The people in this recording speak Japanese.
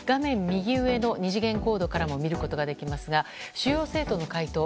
右上の２次元コードからも見ることができますが主要政党の回答